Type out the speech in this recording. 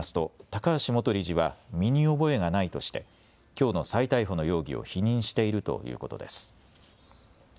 高橋元理事は身に覚えがないとしてきょうの再逮捕の容疑を否認しているということです。